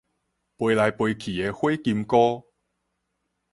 飛來飛去的火金姑